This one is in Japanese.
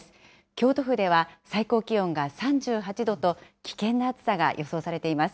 京都府では最高気温が３８度と、危険な暑さが予想されています。